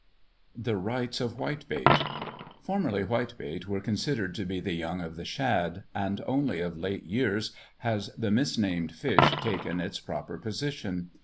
THE RIGHTS OF WHITEBAIT. Formerly, whitebait were considered to be the young of the shad; and only of late years has the misnamed fish taken its proper position.